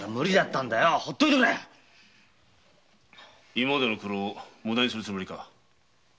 今までの苦労を無駄にするつもりか。